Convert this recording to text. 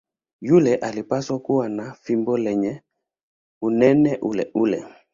Yule alipaswa kuwa na fimbo lenye unene uleule.